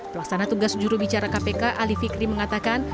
pelaksana tugas juru bicara kpk ali fikri mengatakan